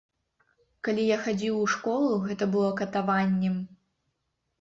Калі я хадзіў у школу, гэта было катаваннем.